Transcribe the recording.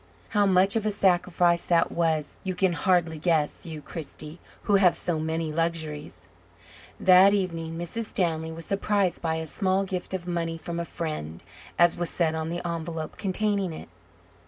How much of a sacrifice that was you can hardly guess, you, Kristy, who have so many luxuries. That evening Mrs. Stanley was surprised by a small gift of money "from a friend," as was said on the envelope containing it.